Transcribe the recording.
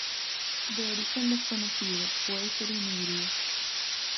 De origen desconocido, puede ser un híbrido.